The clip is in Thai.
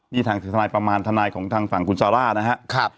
นี่ทางทนายประมาณทนายของทางฝั่งคุณซาร่านะครับ